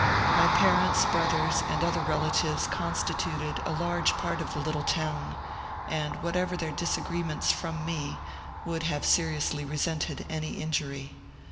My parents, brothers, and other relatives constituted a large part of the little town, and, whatever their disagreements from me, would have seriously resented any injury.